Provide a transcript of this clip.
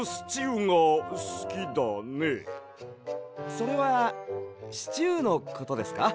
それはシチューのことですか？